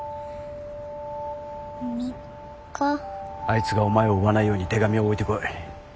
あいつがお前を追わないように手紙を置いてこい。